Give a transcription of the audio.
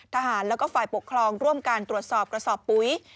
ทหารแล้วก็ฝ่ายปกครองร่วมการตรวจสอบกระสอบปุ๋ย